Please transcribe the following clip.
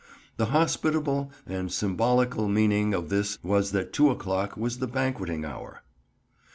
The hospitable and symbolical meaning of this was that two o'clock was the banqueting hour.